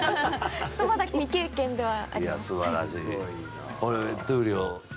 まだ未経験です。